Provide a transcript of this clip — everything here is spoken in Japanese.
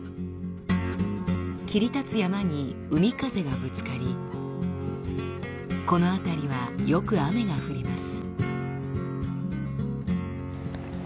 切り立つ山に海風がぶつかりこの辺りはよく雨が降ります。